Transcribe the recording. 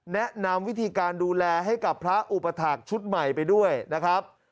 แนะนำวิธีการดูแลให้กับพระอุปถาคชุดใหม่ไปด้วยนะครับ